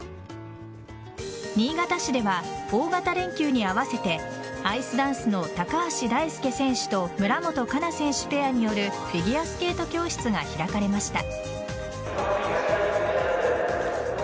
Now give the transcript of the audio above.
新潟市では大型連休に合わせてアイスダンスの高橋大輔選手と村元哉中選手ペアによるフィギュアスケート教室が開かれました。